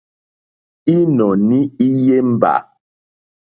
Ínɔ̀ní í yémbà.